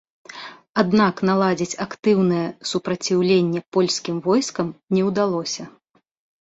Аднак наладзіць актыўнае супраціўленне польскім войскам не ўдалося.